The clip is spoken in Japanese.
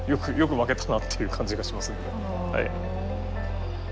よく負けたなっていう感じがします。